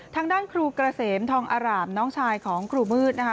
ทางด้านครูเกษมทองอร่ามน้องชายของครูมืดนะคะ